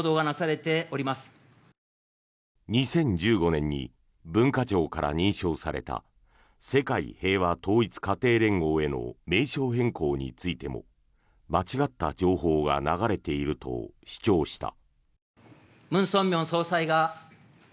２０１５年に文化庁から認証された世界平和統一家庭連合への名称変更についても間違った情報が流れていると主張した。